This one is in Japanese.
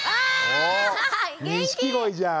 お錦鯉じゃん。